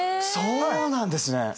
そうなんですね。